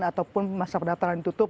ataupun masa pendaftaran ditutup